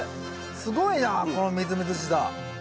すごいなこのみずみずしさ。